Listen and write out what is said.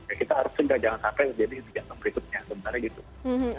ya kita harus cegah jangan sampai jadi henti jantung berikutnya